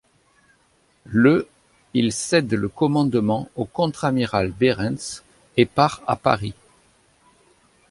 Le il cède le commandement au contre-amiral Behrens et part à Paris.